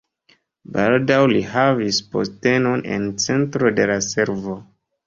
Baldaŭ li havis postenon en centro de la servo.